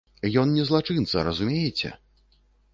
Ён не злачынца, разумееце?